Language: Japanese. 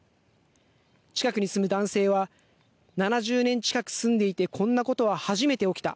近くに住む男性は７０年近く住んでいてこんなことは初めて起きた。